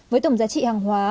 với tổng giá trị hàng hóa